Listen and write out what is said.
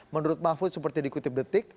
menurut mahfud seperti dikutip detik